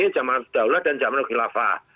jamal al sudaulah dan jamal al gilafah